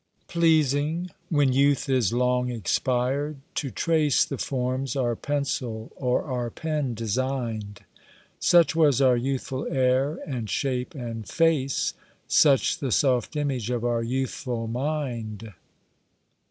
Pleasing, when youth is long expired, to trace The forms our pencil or our pen design'd; Such was our youthful air, and shape, and face, Such the soft image of our youthful mind.